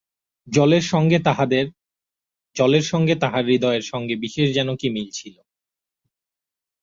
জলের সঙ্গে তাহার হৃদয়ের সঙ্গে বিশেষ যেন কী মিল ছিল।